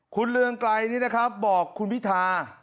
คุณเรืองไกรนี่นะครับบอกคุณพิธา